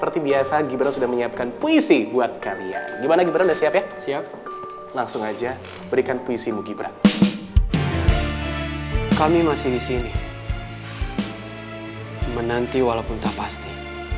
tidak menghampiri hilangkan semua keraguan hati